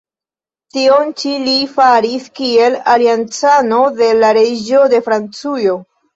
Tion ĉi li faris kiel aliancano de la reĝo de Francujo.